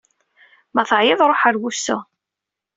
Ma teɛyiḍ, ṛuḥ ɣer wusu.